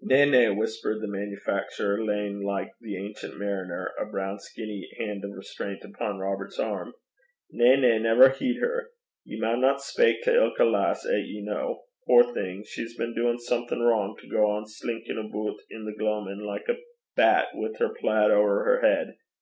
'Na, na,' whispered the manufacturer, laying, like the Ancient Mariner, a brown skinny hand of restraint upon Robert's arm 'na, na, never heed her. Ye maunna speyk to ilka lass 'at ye ken. Poor thing! she's been doin' something wrang, to gang slinkin' aboot i' the gloamin' like a baukie (bat), wi' her plaid ower her heid.